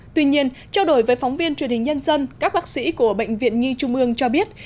tuy nhiên trao đổi với phóng viên truyền hình nhân dân các bác sĩ của bệnh viện nhi trung ương cho biết